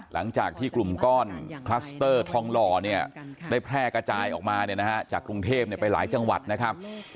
หลังจากที่กลุ่มก้อนคลัสเตอร์ทองหล่อเนี่ยได้แพร่กระจายออกมาเนี่ยนะฮะจากกรุงเทพไปหลายจังหวัดนะครับ